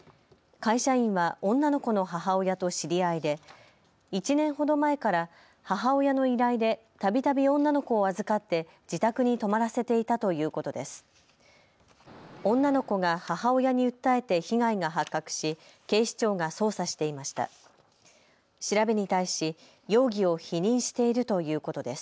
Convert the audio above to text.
会社員は女の子の母親と知り合いで１年ほど前から母親の依頼でたびたび女の子を預かって自宅に泊まらせていたということです。